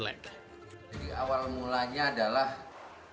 jadi awal mulanya adalah korban